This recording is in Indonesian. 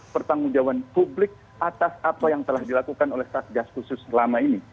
pertanggung jawaban publik atas apa yang telah dilakukan oleh satgas khusus selama ini